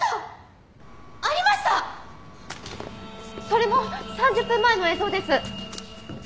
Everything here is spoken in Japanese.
それも３０分前の映像です！